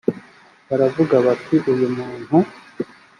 baravuga bati uyu muntu